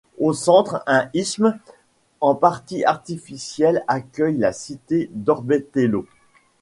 Au centre un isthme en partie artificiel accueille la cité d'Orbetello.